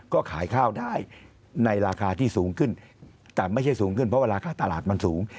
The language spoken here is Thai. ก็ขายข้าวได้ในราคาที่สูงขึ้นแต่ไม่ใช่สูงขึ้นเพราะเวลาค่าตลาดมันสูง